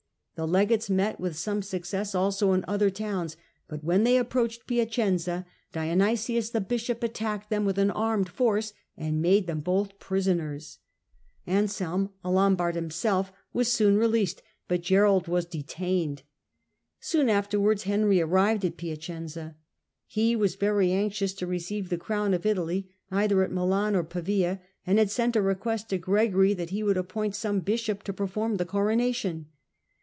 The legates met with some success also in other towns, but when they approached Piacenza, Dionysius, the bishop, attacked them with an armed force and made them both prisoners. Anselm, himself a Lombard, was soon released, but Gerald was detained. Soon afterwards Henry arrived at Piacenza. He was very anxious to receive the crown of Italy either at Milan or Pavia, and had sent a request to Gregory that he would appoint some bishop to perform the coronation.